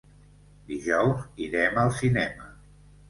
Dijous irem al cinema.